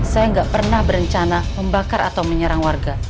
saya nggak pernah berencana membakar atau menyerang warga